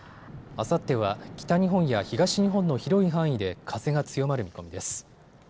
あさっては北日本や東日本の広い範囲で風が強まる見込みです。